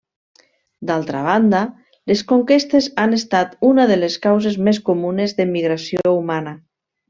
D'altra banda, les conquestes han estat una de les causes més comunes de migració humana.